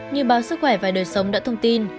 như báo sức khỏe và đời sống đã thông tin